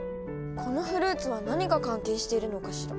このフルーツは何が関係しているのかしら？